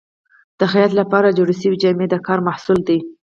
د خیاط لپاره جوړې شوې جامې د کار محصول دي.